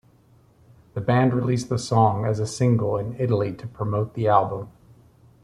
The band released the song as a single in Italy to promote the album.